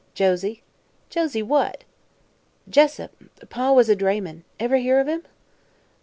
"Josie." "Josie what?" "Jessup. Pa was a drayman. Ever hear of him?"